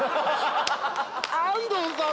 安藤さん